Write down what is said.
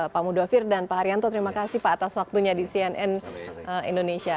pak mudofir dan pak haryanto terima kasih pak atas waktunya di cnn indonesia